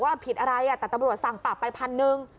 ผิดอะไรแต่ตำรวจสั่งปรับไปพันหนึ่ง